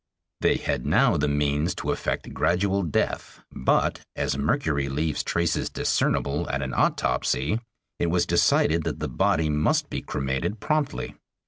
They had now the means to effect gradual death, but as mercury leaves traces discernible at an autopsy, it was decided that the body must be cremated promptly.